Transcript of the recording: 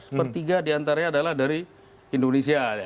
sepertiga diantaranya adalah dari indonesia